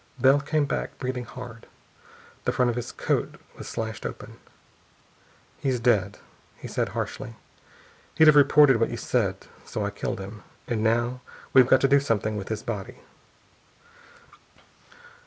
Bell came back, breathing hard. The front of his coat was slashed open. "He's dead," he said harshly. "He'd have reported what you said, so I killed him.... And now we've got to do something with his body."